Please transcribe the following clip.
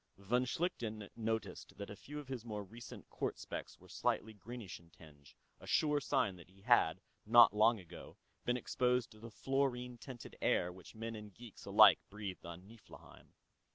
Von Schlichten noticed that a few of his more recent quartz specks were slightly greenish in tinge, a sure sign that he had, not long ago, been exposed to the fluorine tainted air which men and geeks alike breathed on Niflheim.